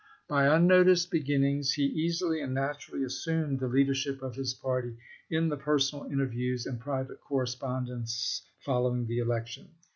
By unnoticed begin nings he easily and naturally assumed the leader ship of his party in the personal interviews and private correspondence following the election.